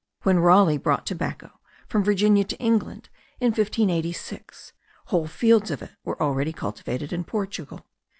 When Raleigh brought tobacco from Virginia to England in 1586, whole fields of it were already cultivated in Portugal.